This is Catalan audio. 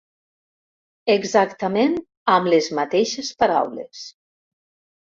Exactament amb les mateixes paraules.